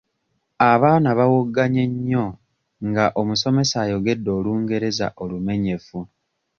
Abaana bawoggannye nnyo nga omusomesa ayogedde Olungereza olumenyefu.